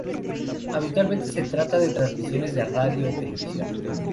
Habitualmente se trata de transmisiones de radio o televisión.